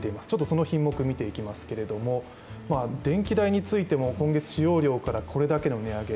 その品目を見ていきますけれども電気代についても今月使用量からこれだけの値上げ。